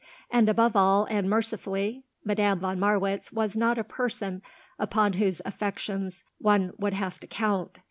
And above all and mercifully, Madame von Marwitz was not a person upon whose affections one would have to count.